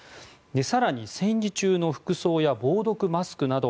更に、戦時中の服装や防毒マスクなど